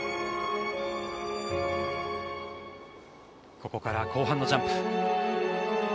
ここから後半のジャンプ。